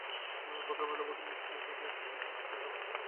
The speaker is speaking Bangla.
ভদ্রমহিলা ও ভদ্রমহোদয়গণ, ক্যাপ্টেন সিট বেল্টের সাইন অফ করে দিয়েছেন।